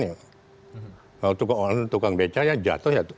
jika tukang beca jatuh